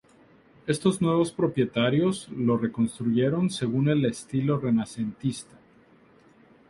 Estos nuevos propietarios lo reconstruyeron según el estilo renacentista.